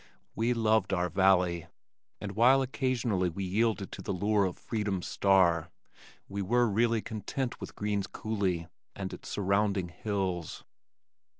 We loved our valley, and while occasionally we yielded to the lure of "Freedom's star," we were really content with Green's Coulee and its surrounding hills.